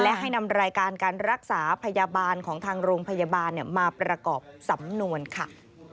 และให้นำรายการการรักษาพยาบาลของทางโรงพยาบาลมาประกอบสำนวนค่ะ